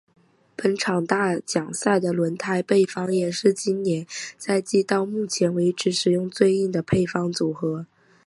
本场大奖赛的轮胎配方也是今年赛季到目前为止使用最硬的配方组合。